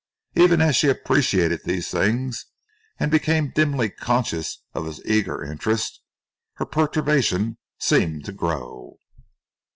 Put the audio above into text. Even as she appreciated these things and became dimly conscious of his eager interest, her perturbation seemed to grow.